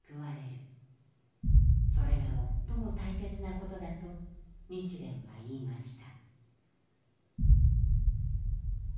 それが最も大切なことだと日蓮は言いました。